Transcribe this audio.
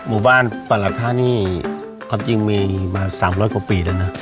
หมู่บ้านประถะนี่เอาจริงมา๓๐๐กว่าปีแล้วนะ